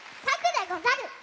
さくでござる！